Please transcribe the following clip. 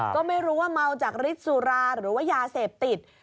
ก็ไม่รู้ว่าเมาจากฤทธิ์สุราหรือว่ายาเสพติด